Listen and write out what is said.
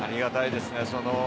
ありがたいです。